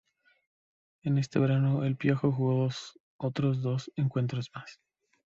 En ese verano "El Piojo" jugó otros dos encuentros más.